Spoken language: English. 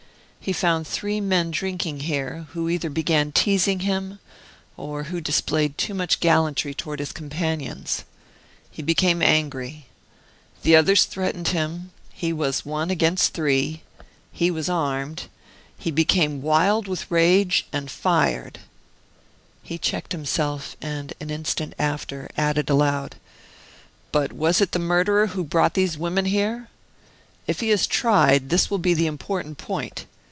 He found three men drinking here, who either began teasing him, or who displayed too much gallantry toward his companions. He became angry. The others threatened him; he was one against three; he was armed; he became wild with rage, and fired " He checked himself, and an instant after added, aloud: "But was it the murderer who brought these women here? If he is tried, this will be the important point.